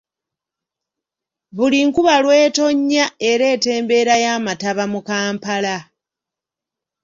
Buli nkuba lw’etonnya ereeta embeera y’amataba mu Kampala.